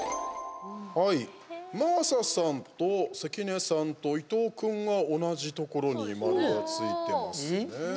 真麻さんと関根さんと伊藤君は同じところに丸がついていますね。